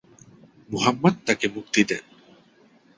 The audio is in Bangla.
মুহাম্মাদ তাকে মুক্তি দেন।